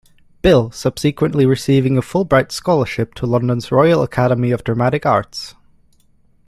Bill, subsequently receiving a Fulbright Scholarship to London's Royal Academy of Dramatic Arts.